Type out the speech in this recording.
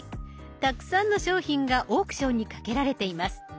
たくさんの商品がオークションにかけられています。